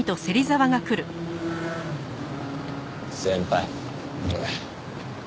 先輩。